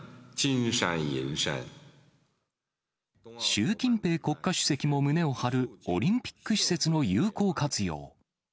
習近平国家主席も胸を張るオリンピック施設の有効活用。